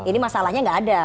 jadi masalahnya gak ada